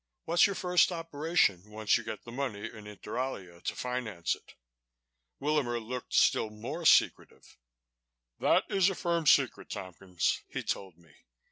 What's your first operation, once you get the money in Inter Alia to finance it?" Willamer looked still more secretive. "That is a firm secret, Tompkins," he told me.